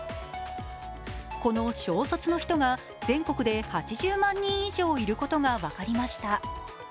この小卒の人が、全国で８０万人以上いることが分かりました。